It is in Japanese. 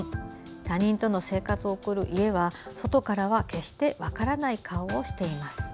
他人との生活を送る家は外からは決して分からない顔をしています。